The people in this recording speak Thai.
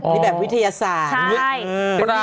นี่แบบวิทยาศาสตร์